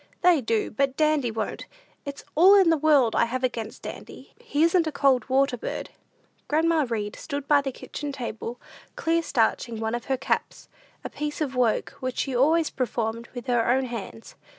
"They do, but Dandy won't; it's all in the world I have against Dandy; he isn't a cold water bird." Grandma Read stood by the kitchen table, clear starching one of her caps a piece of work which she always performed with her own hands.